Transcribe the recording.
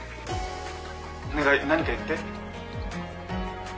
お願い何か言って？